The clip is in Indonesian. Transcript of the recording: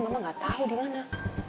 mama gak tahu di mana